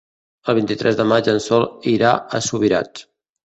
El vint-i-tres de maig en Sol irà a Subirats.